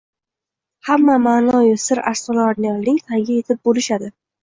Hamma ma’no-yu sir-asrorlarning tagiga yetib bo‘lishadi.